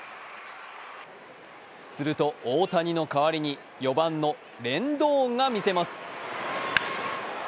すると大谷の代わりに４番のレンドーンが見せます。